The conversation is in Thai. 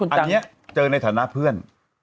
อันนี้เจอในฐานะเพื่อน